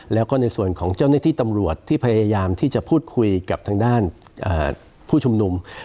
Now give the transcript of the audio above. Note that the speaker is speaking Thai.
แล้วก็ในส่วนของเจ้าหน้าที่ตำรวจที่พยายามที่จะพูดคุยกับทางด้านผู้ชุมนุม